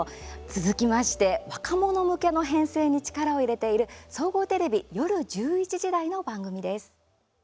続きまして若者向けの編成に力を入れている総合テレビ夜１１時台の番組です。